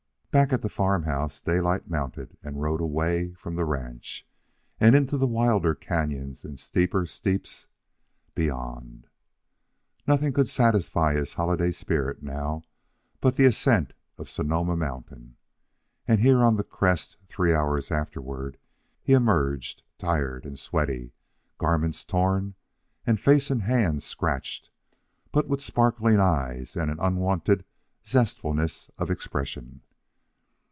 Back at the farm house, Daylight mounted and rode on away from the ranch and into the wilder canons and steeper steeps beyond. Nothing could satisfy his holiday spirit now but the ascent of Sonoma Mountain. And here on the crest, three hours afterward, he emerged, tired and sweaty, garments torn and face and hands scratched, but with sparkling eyes and an unwonted zestfulness of expression.